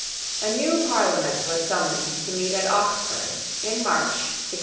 A new Parliament was summoned to meet at Oxford, in March, 1681.